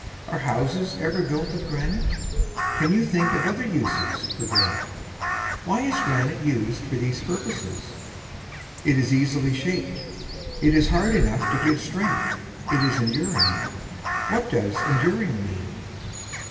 Are houses ever built of granite? Can you think of other uses of granite? Why is granite used for these purposes? It is easily shaped. It is hard enough to give strength. It is enduring. What does "enduring" mean?